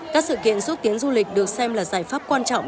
các sự kiện xúc tiến du lịch được xem là giải pháp quan trọng